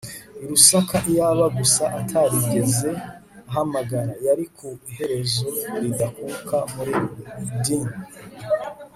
i lusaka - iyaba gusa atarigeze ahamagara. yari ku iherezo ridakuka muri dean